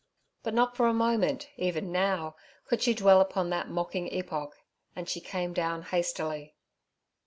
But not for a moment even now could she dwell upon that mocking epoch, and she came down hastily.